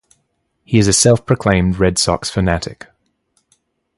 He is a self-proclaimed Red Sox fanatic.